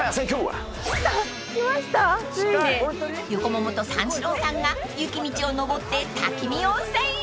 ［横ももと三四郎さんが雪道を登って滝見温泉へ］